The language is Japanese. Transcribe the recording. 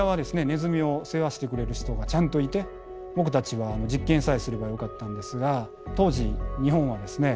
ネズミを世話してくれる人がちゃんといて僕たちは実験さえすればよかったんですが当時日本はですね